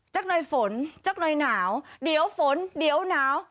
หน่อยฝนจักหน่อยหนาวเดี๋ยวฝนเดี๋ยวหนาว